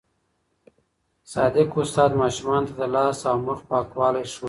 صادق استاد ماشومانو ته د لاس او مخ پاکوالی ښووي.